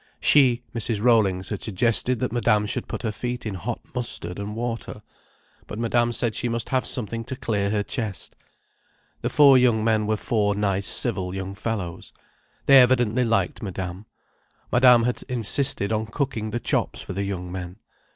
She, Mrs. Rollings, had suggested that Madame should put her feet in hot mustard and water, but Madame said she must have something to clear her chest. The four young men were four nice civil young fellows. They evidently liked Madame. Madame had insisted on cooking the chops for the young men.